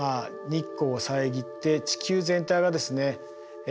日光を遮って地球全体がですね